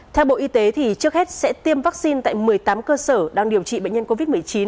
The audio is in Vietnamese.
theo bộ y tế trước hết sẽ tiêm vaccine tại một mươi tám cơ sở đang điều trị bệnh nhân covid một mươi chín